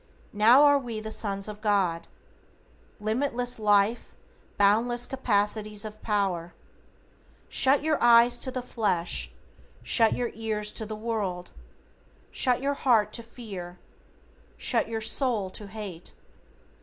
"Now are we the Sons of God." Limitless life, boundless capacities of power. Shut your eyes to the flesh, shut your ears to the world, shut your heart to fear, shut your soul to hate.